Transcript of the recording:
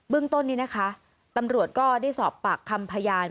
ต้นนี้นะคะตำรวจก็ได้สอบปากคำพยาน